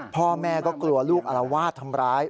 พ่อแม่ก็กลัวลูกอารวาสทำร้าย